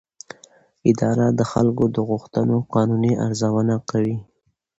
اداره د خلکو د غوښتنو قانوني ارزونه کوي.